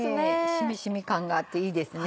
染み染み感があっていいですね。